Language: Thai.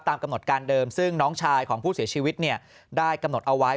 ตามกำหนดการเดิมซึ่งน้องชายของผู้เสียชีวิตได้กำหนดเอาไว้